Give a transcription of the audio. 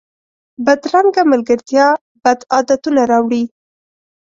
بدرنګه ملګرتیا بد عادتونه راوړي